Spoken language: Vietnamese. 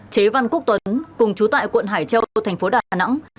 chế văn quốc tuấn cùng chú tại quận hải châu thành phố đà nẵng